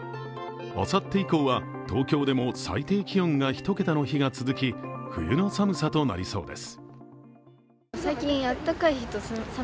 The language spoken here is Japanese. あさって以降は東京でも最低気温が１桁の日が続き、冬の寒さとなりそうです。